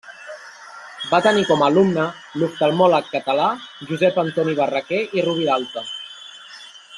Va tenir com a alumne l'oftalmòleg català Josep Antoni Barraquer i Roviralta.